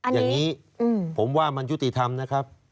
อย่างนี้ผมว่ามันยุติธรรมนะครับ